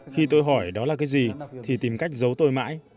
khi tôi hỏi đó là cái gì thì tìm cách giấu tôi mãi